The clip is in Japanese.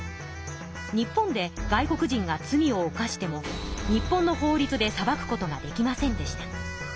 日本で外国人が罪をおかしても日本の法りつで裁くことができませんでした。